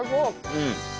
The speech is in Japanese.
うん。